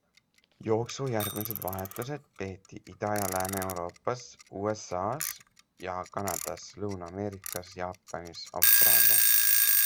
Jooksu järgmised vahetused peeti Ida- ja Lääne-Euroopas, USAs ja Kanadas, Lõuna-Ameerikas, Jaapanis, Austraalias.